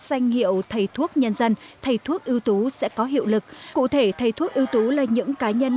danh hiệu thầy thuốc nhân dân thầy thuốc ưu tú sẽ có hiệu lực cụ thể thầy thuốc ưu tú là những cá nhân